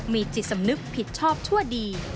มีจิตสำนึกผิดชอบชั่วดี